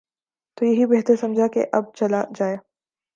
تو یہی بہتر سمجھا کہ اب چلا جائے۔